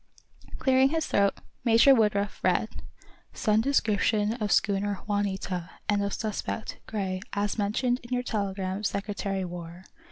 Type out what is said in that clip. Clearing his throat, Major Woodruff read: _"Send description of schooner 'Juanita,' and of suspect, Gray, as mentioned in your telegram Secretary War.